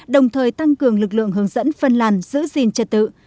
đồng thời tăng cường lực lượng hướng dẫn phân làn giữ gìn trật tự